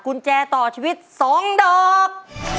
กุญแจต่อชีวิต๒ดอก